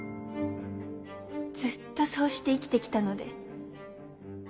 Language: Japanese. ずっとそうして生きてきたので。